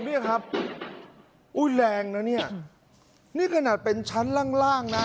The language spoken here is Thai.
เนี่ยครับอุ้ยแรงนะเนี่ยนี่ขนาดเป็นชั้นล่างล่างนะ